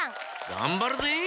がんばるぜ！